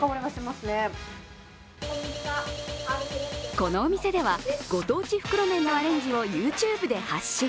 このお店ではご当地袋麺のアレンジをＹｏｕＴｕｂｅで発信。